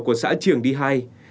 của xã trường đi hai